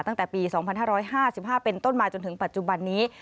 ตั้งแต่ปี๒๕๕๕เป็นต้นมาจนถึงปัจจุบันนี้